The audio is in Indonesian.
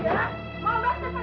gua percaya dah